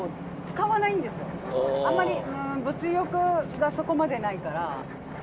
あまり物欲がそこまでないから。